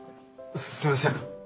すいません。